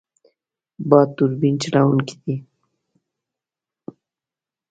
باد توربین چلوونکی دی.